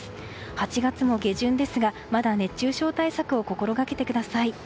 ８月も下旬ですがまだ熱中症対策を心掛けてください。